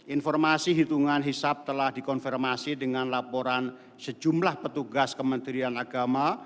informasi hitungan hisap telah dikonfirmasi dengan laporan sejumlah petugas kementerian agama